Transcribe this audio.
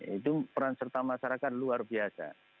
itu peran serta masyarakat luar biasa